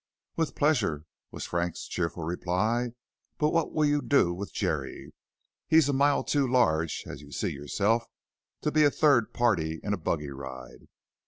"With pleasure," was Frank's cheerful reply; "but what will you do with Jerry? He's a mile too large, as you see yourself, to be a third party in a buggy ride."